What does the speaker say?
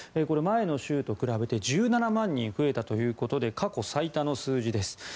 これ、前の週と比べて１７万人増えたということで過去最多の数字です。